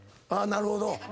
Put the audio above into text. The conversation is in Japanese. なるほど。